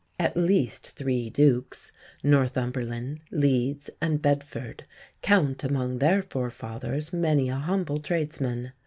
At least three dukes (Northumberland, Leeds, and Bedford) count among their forefathers many a humble tradesman.